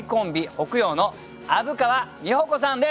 北陽の虻川美穂子さんです。